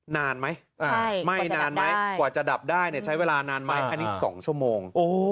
นานไหมไหม้นานไหมกว่าจะดับได้ใช้เวลานานไหมอันนี้๒ชั่วโมง